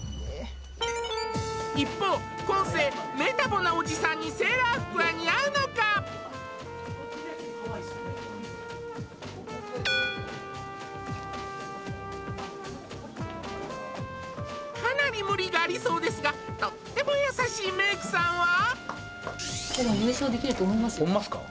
一方昴生メタボなおじさんにセーラ服は似合うのかかなり無理がありそうですがとっても優しいメイクさんはホンマっすか？